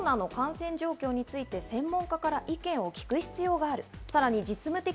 一昨日夜、コロナの感染状況について専門家から意見を聞く必要がある。